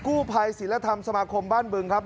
กู้ภัยศิลธรรมสมาคมบ้านบึงครับ